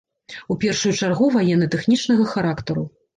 У першую чаргу, ваенна-тэхнічнага характару.